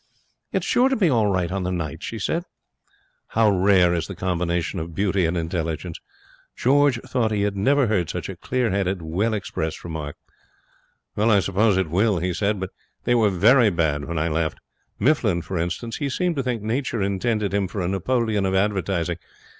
'It's sure to be all right on the night,' she said. How rare is the combination of beauty and intelligence! George thought he had never heard such a clear headed, well expressed remark. 'I suppose it will,' he said, 'but they were very bad when I left. Mifflin, for instance. He seems to think Nature intended him for a Napoleon of Advertising.